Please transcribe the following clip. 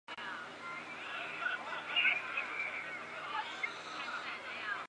类似片名一览